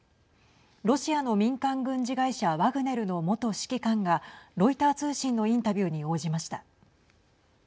ロシアの民間軍事会社ワグネルの元指揮官がロイター通信のインタビューに応じました。